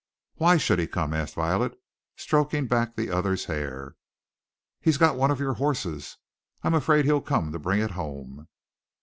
"Why should he come?" asked Violet, stroking back the other's hair. "He's got one of your horses I'm afraid he'll come to bring it home."